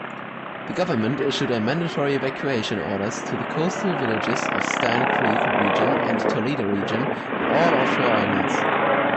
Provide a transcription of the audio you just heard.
The government issued a mandatory evacuation orders to the coastal villages of Stan Creek region and Toledo region and all offshore islands.